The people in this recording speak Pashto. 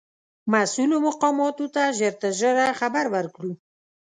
مسؤولو مقاماتو ته ژر تر ژره خبر ورکړو.